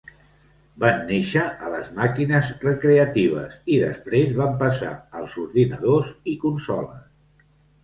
Van néixer a les màquines recreatives i després van passar als ordinadors i consoles.